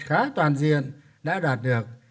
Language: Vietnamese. khá toàn diện đã đạt được